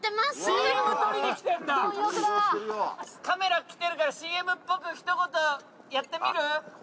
カメラきてるからＣＭっぽくひと言やってみる？